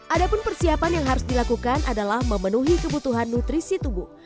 ada pun persiapan yang harus dilakukan adalah memenuhi kebutuhan nutrisi tubuh